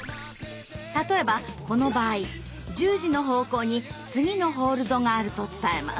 例えばこの場合１０時の方向に次のホールドがあると伝えます。